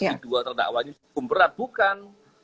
si dua terdakwanya berat bukan